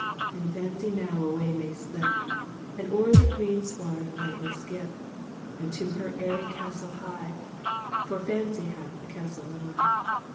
And Fancy now away may slip, And o'er the green sward lightly skip, And to her airy castle hie For Fancy hath a castle nigh.